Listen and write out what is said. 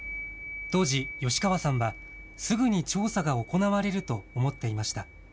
当時、吉川さんはすぐに調査が行われると思っていました。